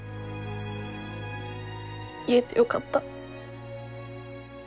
言えてよかった。